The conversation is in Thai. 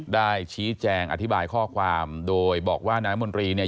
ได้ชี้แจงอธิบายข้อความโดยบอกว่านายมนตรีเนี่ย